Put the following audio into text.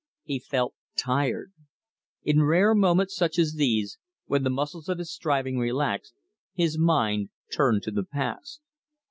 He felt tired. In rare moments such as these, when the muscles of his striving relaxed, his mind turned to the past.